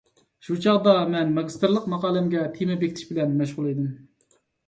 شۇ چاغدا مەن ماگىستىرلىق ماقالەمگە تېما بېكىتىش بىلەن مەشغۇل ئىدىم.